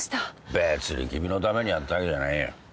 別に君のためにやったわけじゃないよ。